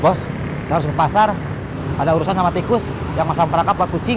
bos saya harus ke pasar ada urusan sama tikus yang mau sampraka pak kucing